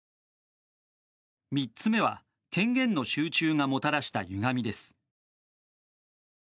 ３つ目は、権限の集中がもたらしたゆがみです。